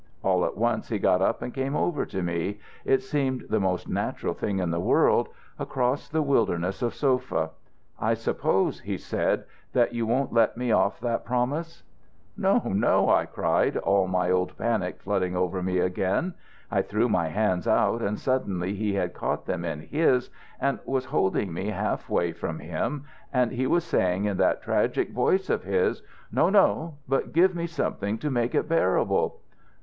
All at once he got up and came over to me it seemed the most natural thing in the world across that wilderness of sofa. "'I suppose,' he said, 'that you won't let me off that promise.' "'No, no!' I cried, all my old panic flooding over me again. I threw my hands out, and suddenly he had caught them in his and was holding me half away from him, and he was saying, in that tragic voice of his: "'No, no! But give me something to make it bearable.'"